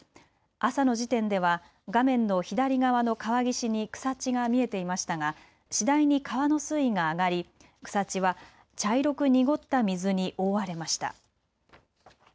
朝の時点では画面の左側の川岸に草地が見えていましたが次第に川の水位が上がり草地は茶色く濁った水に覆われました。